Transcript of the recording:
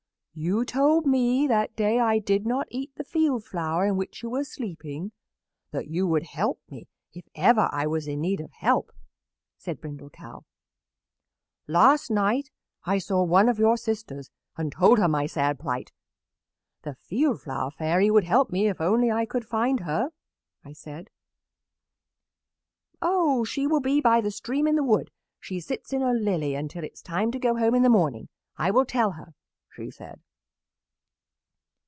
"You told me that day I did not eat the field flower in which you were sleeping that you would help me if ever I was in need of help," said Brindle Cow. "Last night I saw one of your sisters and told her my sad plight. The Field Flower Fairy would help me if I could only find her," I said. "'Oh! She will be by the stream in the wood. She sits in a lily until it is time to go home in the morning. I will tell her,' she said."